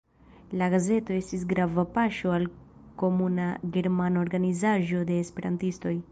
La gazeto estis grava paŝo al komuna germana organizaĵo de esperantistoj.